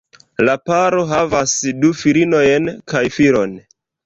La paro havas du filinojn kaj filon.